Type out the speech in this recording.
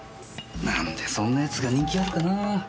何でそんな奴が人気あるかなぁ。